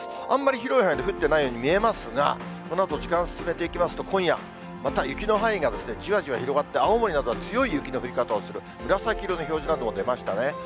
あんまり広い範囲で降ってないように見えますが、このあと、時間進めていきますと、今夜、また雪の範囲がじわじわ広がって、青森などは強い雪の降り方をする、紫色の表示なども出ましたね。